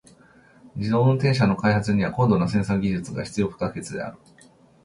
自動運転車の開発には高度なセンサー技術が必要不可欠である。